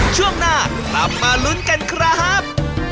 ช่วงหน้ากลับมาลุ้นกันครับ